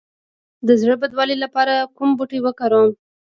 د زړه بدوالي لپاره کوم بوټی وکاروم؟